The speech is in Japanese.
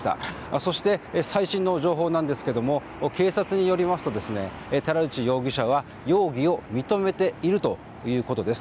そして、最新の情報なんですが警察によりますと寺内容疑者は容疑を認めているということです。